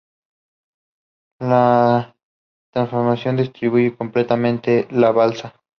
La transformación destruye completamente la Balsa.